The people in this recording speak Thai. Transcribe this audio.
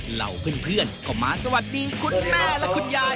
เหล่าเพื่อนก็มาสวัสดีคุณแม่และคุณยาย